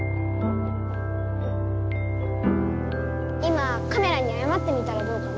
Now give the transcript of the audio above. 今カメラにあやまってみたらどうかな？